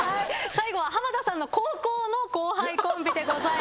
最後は浜田さんの高校の後輩コンビでございます。